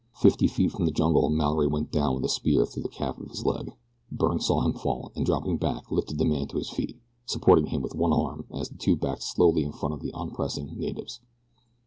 Fifty feet from the jungle Mallory went down with a spear through the calf of his leg. Byrne saw him fall, and dropping back lifted the man to his feet, supporting him with one arm as the two backed slowly in front of the onpressing natives.